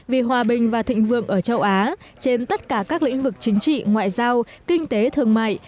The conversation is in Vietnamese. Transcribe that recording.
vì hòa bình và thịnh vượng ở châu á trên tất cả các lĩnh vực chính trị ngoại giao kinh tế thương mại